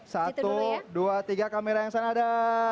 satu dua tiga kamera yang sana ada